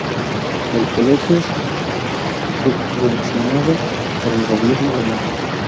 El colegio es subvencionado por el Gobierno alemán.